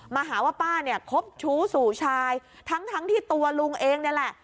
มาหาว่าป้าเนี่ยคบชู้สู่ชายทั้งทั้งที่ตัวลุงเองนี่แหละ